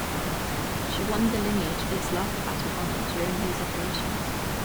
She won the lineage its last battle honour during these operations.